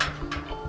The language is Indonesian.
mertuanya ibu andien